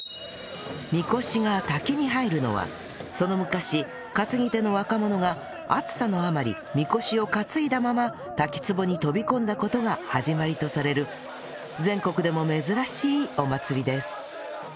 みこしが滝に入るのはその昔担ぎ手の若者が暑さのあまりみこしを担いだまま滝つぼに飛び込んだ事が始まりとされる全国でも珍しいお祭りです